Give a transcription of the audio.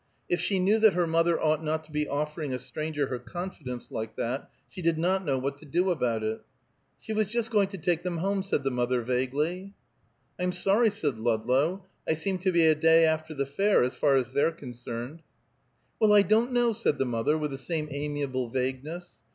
If she knew that her mother ought not to be offering a stranger her confidence like that, she did not know what to do about it. "She was just going to take them home," said the mother vaguely. "I'm sorry," said Ludlow. "I seem to be a day after the fair, as far as they're concerned." "Well, I don't know," said the mother, with the same amiable vagueness.